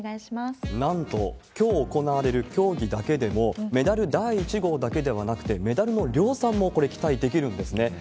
なんと、きょう行われる競技だけでも、メダル第１号だけではなくて、メダルの量産も、これ、期待できるんですね。